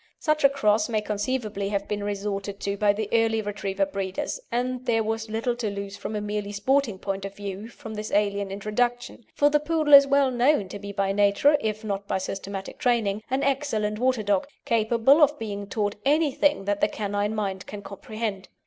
Such a cross may conceivably have been resorted to by the early Retriever breeders, and there was little to lose from a merely sporting point of view from this alien introduction, for the Poodle is well known to be by nature, if not by systematic training, an excellent water dog, capable of being taught anything that the canine mind can comprehend.